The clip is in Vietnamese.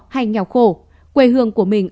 hay nghèo khổ quê hương của mình